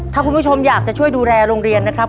ถ้าคุณผู้ชมอยากจะช่วยดูแลโรงเรียนนะครับ